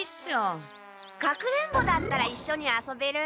かくれんぼだったらいっしょに遊べるんじゃ？